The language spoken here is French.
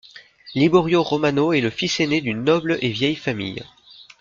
Liborio Romano est le fils ainé d'une noble et vieille famille.